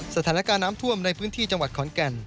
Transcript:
สถานการณ์น้ำท่วมในพื้นที่จังหวัดขอนแก่น